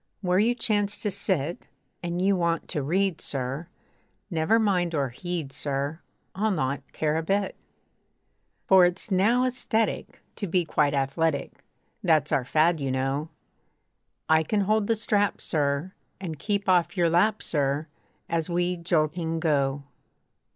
Where you chance to sit, And you want to read, sir! Never mind or heed, sir! I'll not care a bit. For it's now aesthetic To be quite athletic. That's our fad, you know. I can hold the strap, sir! And keep off your lap, sir! As we jolting go.